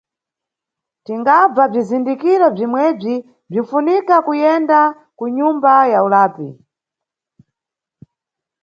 Tingabva bzizindikiro bzimwebzi, bzinʼfunika kuyenda kunyumba ya ulapi.